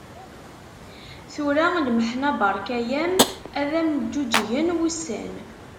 Tura lmeḥna barka-am, ad am-ğuğgen wussan.